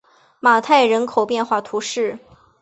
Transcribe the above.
马泰人口变化图示